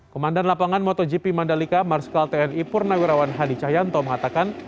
komandan lapangan motogp mandalika marskal tni purnawirawan hadi cahyanto mengatakan